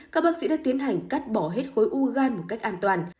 các bác sĩ đã tiến hành cắt bỏ hết khối u gan một cách an toàn